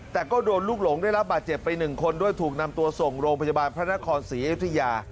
แต่ก็โดนลูกหลงได้รับบาดเจ็บไป๑คนด้วยถูกนำตัวส่งโรงพยาบาลพระนครศรีอยุธยา